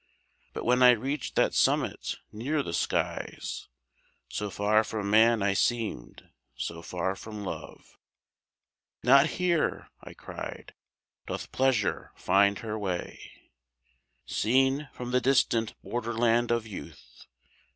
But when I reached that summit near the skies, So far from man I seemed, so far from Love "Not here," I cried, "doth Pleasure find her way," Seen from the distant borderland of youth.